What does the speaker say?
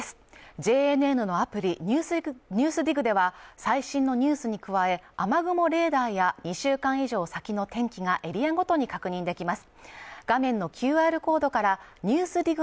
ＪＮＮのアプリ「ＮＥＷＳＤＩＧ」では、最新のニュースに加え、雨雲レーダーや２週間以上先の天気がエリアごとに確認できます。